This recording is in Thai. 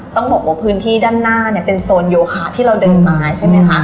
ต้องบอกว่าพื้นที่ด้านหน้าเนี่ยเป็นโซนโยคะที่เราเดินมาใช่ไหมคะ